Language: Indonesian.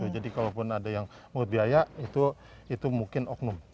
jadi kalau pun ada yang pungut biaya itu mungkin oknum